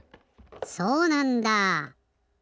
そうなんだ。